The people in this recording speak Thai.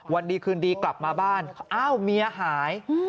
วันดีคืนดีกลับมาบ้านอ้าวเมียหาย